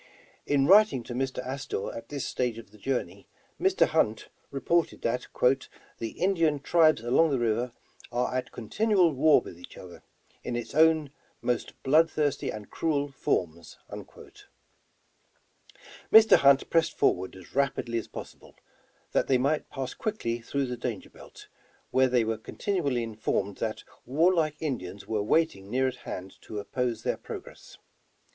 In \*riting to Mr. Astor at this stage of the journey, Mr. Hunt reported that "the Indian tribes along the river are at continual war with each other, in its most blood thirsty and cruel forms. *' Mr. Hunt pressed forward as rapidly as possible, that they might pass quickly through the danger belt, where they were continually informed that warlike Indians were waiting near at hand to oppose their progress.